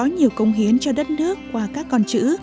nhiều công hiến cho đất nước qua các con chữ